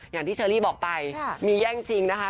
อย่างที่เชอรี่บอกไปมีแย่งจริงนะคะ